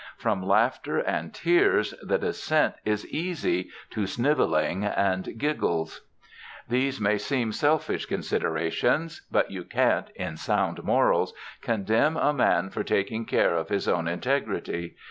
From laughter and tears the descent is easy to snivelling and giggles. These may seem selfish considerations; but you can't, in sound morals, condemn a man for taking care of his own integrity.